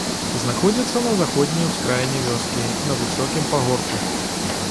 Знаходзіцца на заходняй ускраіне вёскі, на высокім пагорку.